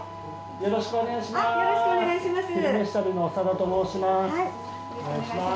よろしくお願いします。